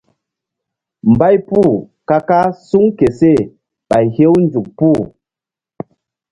Mbay puh ka kah suŋ ke seh ɓay hew nzuk puh.